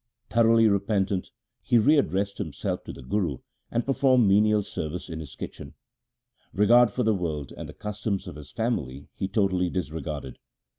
Thoroughly repentant, he re addressed himself to the Guru, and performed menial service in his kitchen. Regard for the world and the customs of his family he totally disregarded.